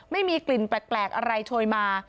ไม่มีกลิ่นแปลกอะไรโชยมา